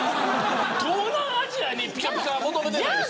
東南アジアにぴかぴかは求めてないです。